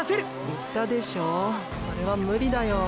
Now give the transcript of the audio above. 言ったでしょーそれはムリだよー。